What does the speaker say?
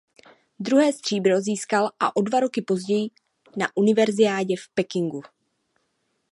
Druhé stříbro získal o dva roky později na univerziádě v Pekingu.